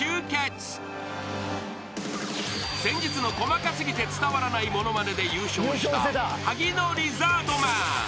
［先日の『細かすぎて伝わらないモノマネ』で優勝したハギノリザードマン］